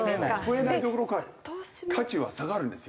増えないどころか価値は下がるんですよ。